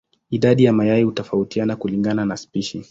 Idadi ya mayai hutofautiana kulingana na spishi.